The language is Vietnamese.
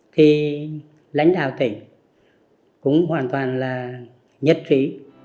thì lãnh đạo tỉnh cũng hoàn toàn là nhất trí